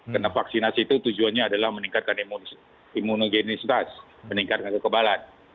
karena vaksinasi itu tujuannya adalah meningkatkan imunogenisitas meningkatkan kekebalan